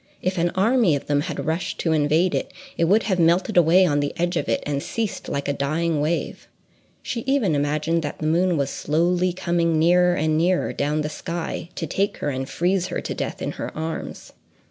If an army of them had rushed to invade it, it would have melted away on the edge of it, and ceased like a dying wave.—She even imagined that the moon was slowly coming nearer and nearer down the sky to take her and freeze her to death in her arms.